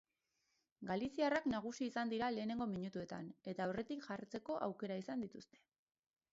Galiziarrak nagusi izan dira lehenengo minutuetan, eta aurretik jatzeko aukerak izan dituzte.